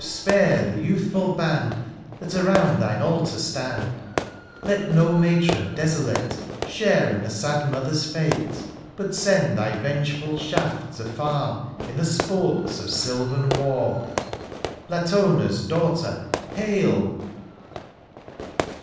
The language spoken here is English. spare, the youthful band, *^ That around thine altar stand ;Let no matron desolate « Share in the sad mother^s fate ; (0 « But send thy vengeful shafts afar *< In the sports of sylvan war: « Latona^s daughter, hail